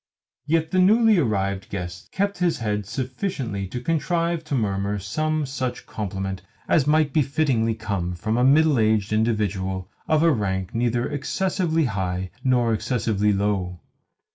Yet the newly arrived guest kept his head sufficiently to contrive to murmur some such compliment as might fittingly come from a middle aged individual of a rank neither excessively high nor excessively low.